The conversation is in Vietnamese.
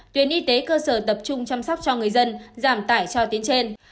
tuyến y tế cơ sở tập trung chăm sóc cho người dân giảm tải cho tuyến trên